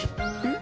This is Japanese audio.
ん？